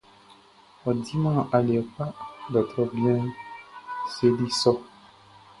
Ɔ diman aliɛ kpa, dɔrtrɔ bianʼn seli sɔ.